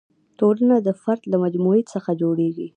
ټولنه د فرد له مجموعې څخه جوړېږي.